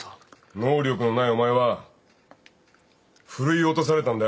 能力のないお前はふるい落とされたんだよ。